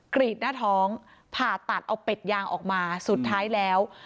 กรีดหน้าท้องผ่าตัดเอาเป็ดยางออกมาสุดท้ายแล้ว